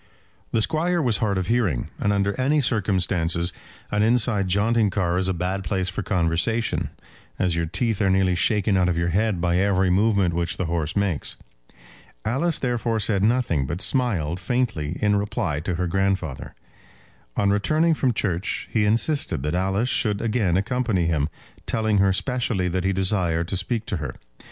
The Squire was hard of hearing, and under any circumstances an inside jaunting car is a bad place for conversation, as your teeth are nearly shaken out of your head by every movement which the horse makes. Alice therefore said nothing, but smiled faintly, in reply to her grandfather. On returning from church he insisted that Alice should again accompany him, telling her specially that he desired to speak to her.